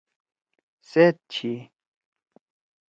سأت چھی۔